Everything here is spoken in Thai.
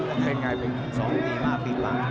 เป็นยังไงเป็นสองตีมาปิดบัง